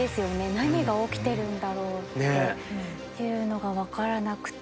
何が起きてるんだろうっていうのが分からなくて。